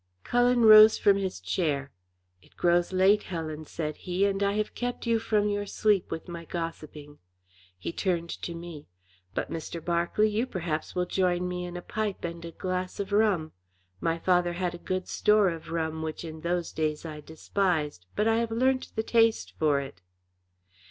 Cullen rose from his chair. "It grows late, Helen," said he, "and I have kept you from your sleep with my gossiping." He turned to me. "But, Mr. Berkeley, you perhaps will join me in a pipe and a glass of rum? My father had a good store of rum, which in those days I despised, but I have learnt the taste for it."